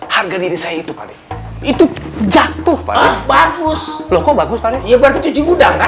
harga diri saya itu itu jatuh bagus bagus